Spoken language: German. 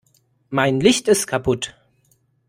Mein Licht ist kaputt.